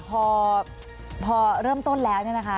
พอเริ่มต้นแล้วเนี่ยนะคะ